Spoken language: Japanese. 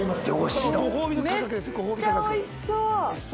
めっちゃおいしそう！